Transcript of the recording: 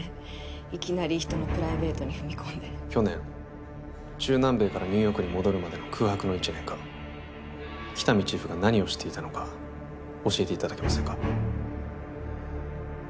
いきなり人のプライベートに踏み込んで去年中南米からニューヨークに戻るまでの空白の１年間喜多見チーフが何をしていたのか教えていただけませんか？